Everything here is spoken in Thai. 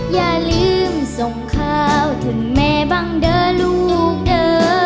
อย่าลืมส่งข้าวถึงแม่บ้างเด้อลูกเด้อ